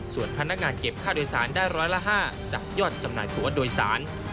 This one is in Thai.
ส่วนพนักงานเก็บค่าโดยสารได้ร้อยละ๕จากยอดจำหน่ายตัวโดยสาร